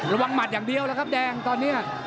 หมัดอย่างเดียวแล้วครับแดงตอนนี้